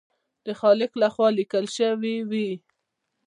د خالق لخوا لیکل شوي وي.